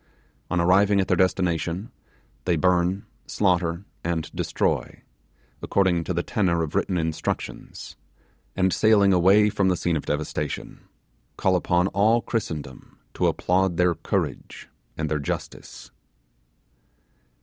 On arriving at their destination, they burn, slaughter, and destroy, according to the tenor of written instructions, and sailing away from the scene of devastation, call upon all Christendom to applaud their courage and their justice.